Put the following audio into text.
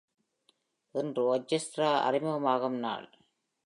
இன்று orchestra அறிமுகமாகும் நாள்.